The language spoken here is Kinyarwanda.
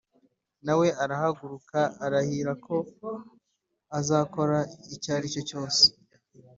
nawe arahaguruka arahirako azakora icyaricyo cyose